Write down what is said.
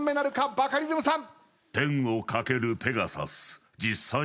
バカリズムさん。